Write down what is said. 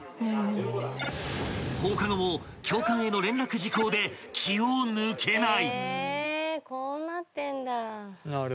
［放課後も教官への連絡事項で気を抜けない］